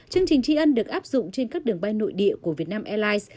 chương trình tri ân được áp dụng trên các đường bay nội địa của vietnam airlines